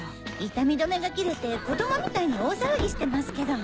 痛み止めが切れて子供みたいに大騒ぎしてますけど。